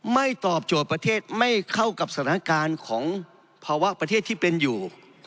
ตอบโจทย์ประเทศไม่เข้ากับสถานการณ์ของภาวะประเทศที่เป็นอยู่